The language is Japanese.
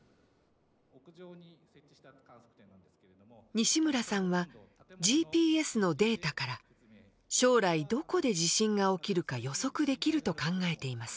西村さんはＧＰＳのデータから将来どこで地震が起きるか予測できると考えています。